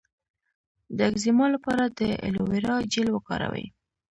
د اکزیما لپاره د ایلوویرا جیل وکاروئ